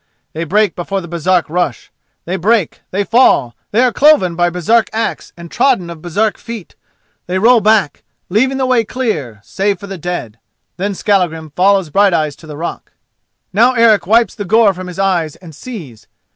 They break before the Baresark rush; they break, they fall—they are cloven by Baresark axe and trodden of Baresark feet! They roll back, leaving the way clear—save for the dead. Then Skallagrim follows Brighteyes to the rock. Now Eric wipes the gore from his eyes and sees.